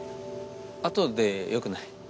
あとでよくない？